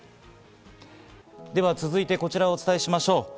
続いてこちらをお伝えしましょう。